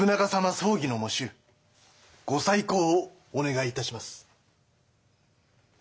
葬儀の喪主ご再考をお願いいたします。